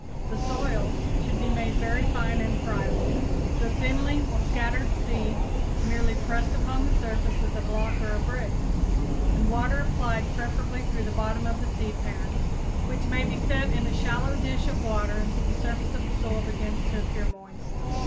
The soil should be made very fine and friable, the thinly scattered seeds merely pressed upon the surface with a block or a brick, and water applied preferably through the bottom of the seedpan, which may be set in a shallow dish of water until the surface of the soil begins to appear moist.